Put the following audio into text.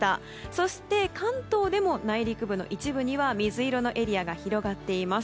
そして関東でも内陸部の一部では水色のエリアが広がっています。